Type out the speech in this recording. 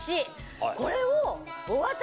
これを。